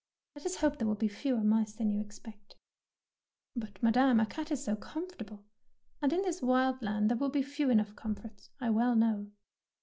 " Let us hope there will be fewer mice than you expect." " But, Madame, a cat is so comfort able, and in this wild land there be few enough comforts, I well know."